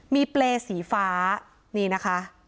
มีเปรย์สีฟ้านี่นะคะ